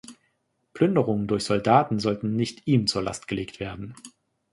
Plünderungen durch Soldaten sollten nicht ihm zur Last gelegt werden.